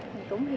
mình cũng hơi kì